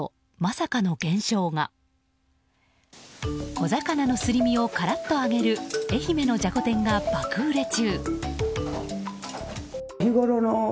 小魚のすり身をカラッと揚げる愛媛のじゃこ天が爆売れ中。